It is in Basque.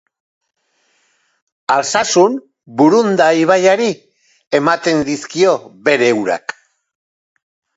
Altsasun Burunda ibaiari ematen dizkio bere urak.